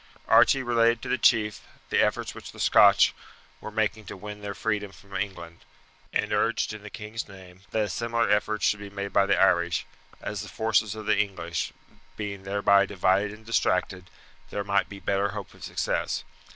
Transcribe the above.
Archie related to the chief the efforts which the Scotch were making to win their freedom from England, and urged in the king's name that a similar effort should be made by the Irish; as the forces of the English, being thereby divided and distracted, there might be better hope of success.